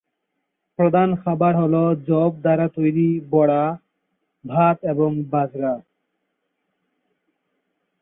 প্রধান খাবার হলো যব দ্বারা তৈরি বড়া, ভাত এবং বাজরা।